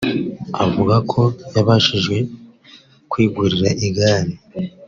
Avuga ko yabashije kwigurira igare